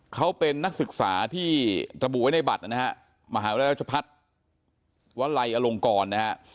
เขาเป็นนักศึกษาที่ระบุไว้ในบัตรนะฮะมหาวิทยารัชพัฒน์วลัยอลงกรนะฮะ